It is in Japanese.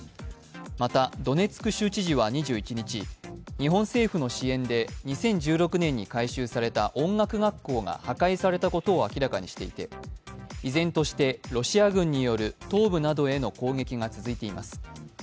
また、ドネツク州知事は２１日、日本政府の支援で２０１６年に改修された音楽学校が破壊されたことを明らかにしていて依然としてロシア軍による東部などへの攻撃が続いています。